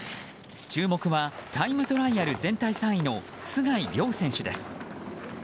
注目はタイムトライアル全体３位の須貝龍選手です。